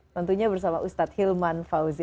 tentunya bersama ustadz hilman fauzi